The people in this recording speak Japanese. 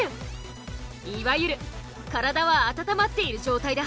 いわゆる体は温まっている状態だ。